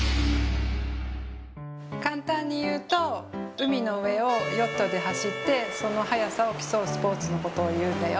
簡単にいうと海の上をヨットで走ってその速さを競うスポーツのことをいうんだよ。